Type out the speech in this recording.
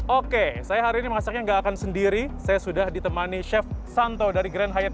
oke saya hari ini masaknya nggak akan sendiri saya sudah ditemani chef santo dari grand hyat